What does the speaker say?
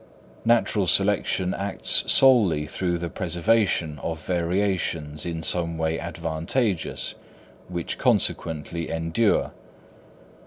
Natural selection acts solely through the preservation of variations in some way advantageous, which consequently endure.